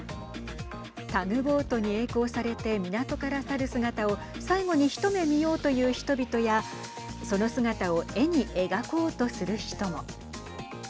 タグボートにえい航されて港から去る姿を最後に一目見ようという人々やその姿を絵に描こうとする人も。